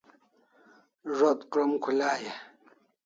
Zo't krom khulai e?